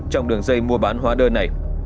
trong đường dây mua bán hóa đơn này